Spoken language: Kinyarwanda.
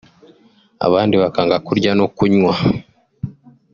abandi bakanga kurya no kunywa